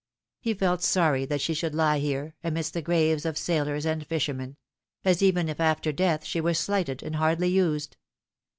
He felt sorry that she should lie here, amidst the graves of sailors and fishermen as even if after death she were slighted and hardly used.